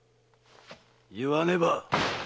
言わねば！